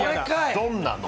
どんなの？